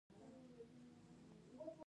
ښاري پلانونه په عملي توګه تطبیقیږي.